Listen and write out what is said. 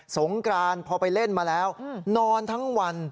งกรานพอไปเล่นมาแล้วนอนทั้งวัน